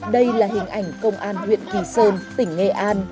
đây là hình ảnh công an huyện kỳ sơn tỉnh nghệ an